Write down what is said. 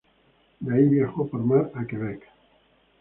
De ahí viajó por mar a Quebec.